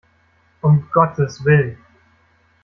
Um Gottes Willen!